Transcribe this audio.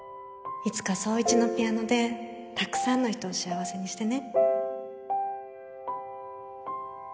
いつか宗一のピアノでたくさんの人を幸せにしてね